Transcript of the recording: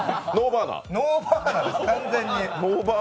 ノーバーナー、完全に。